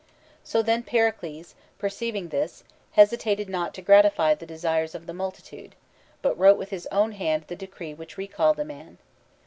So then Pericles, perceiving this, hesitated not to gratify the desires of the multitude, but wrote with his own hand the decree which recalled the man.